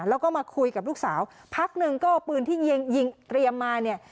แล้วก็มาคุยกับลูกสาวพักหนึ่งก็เอาปืนที่ยิงเตรียมมาเนี่ย